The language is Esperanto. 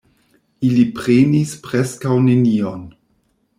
Ili prenis preskaŭ nenion.